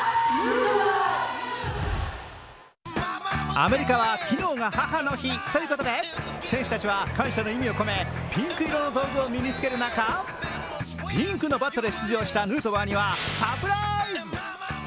アメリカは昨日が母の日、ということで選手たちは感謝の意味を込めピンク色の道具を身に着ける中、ピンクのバットで出場したヌートバーにはサプライズ！